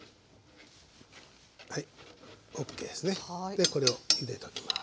でこれをゆでときます。